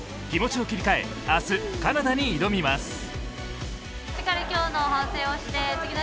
気持ちを切り替え、明日カナダに挑みます。